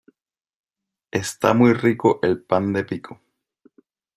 Está muy rico el pan de pico